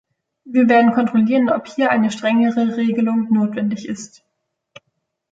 Wir werden kontrollieren, ob hier eine strengere Regelung notwendig ist.